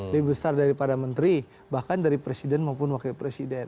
lebih besar daripada menteri bahkan dari presiden maupun wakil presiden